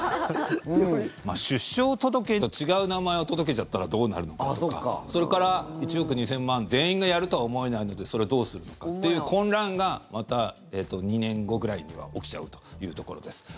出生届と違う名前を届けちゃったらどうなるのかとかそれから１億２０００万人全員がやるとは思えないのでそれをどうするのかという混乱がまた２年後ぐらいには起きちゃうというところです。